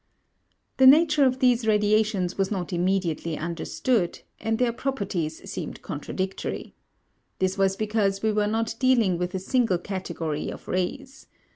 The nature of these radiations was not immediately understood, and their properties seemed contradictory. This was because we were not dealing with a single category of rays.